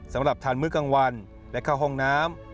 สำหรับทานมื้อกลางวันและเข้าห้องน้ำ